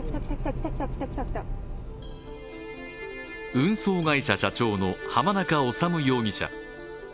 運送会社社長の浜中治容疑者。